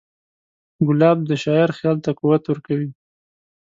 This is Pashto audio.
ګلاب د شاعر خیال ته قوت ورکوي.